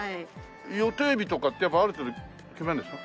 予定日とかってやっぱある程度決めるんでしょ？